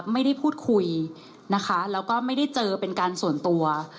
ไม่ได้พูดคุยนะคะแล้วก็ไม่ได้เจอเป็นการส่วนตัว